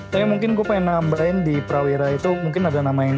tapi mungkin gue pengen nambahin di prawira itu mungkin ada nama yang